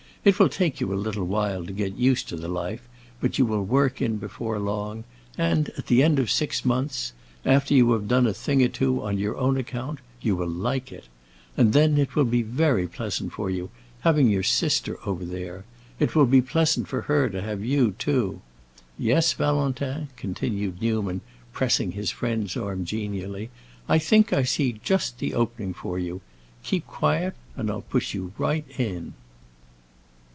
It will take you a little while to get used to the life, but you will work in before long, and at the end of six months—after you have done a thing or two on your own account—you will like it. And then it will be very pleasant for you, having your sister over there. It will be pleasant for her to have you, too. Yes, Valentin," continued Newman, pressing his friend's arm genially, "I think I see just the opening for you. Keep quiet and I'll push you right in."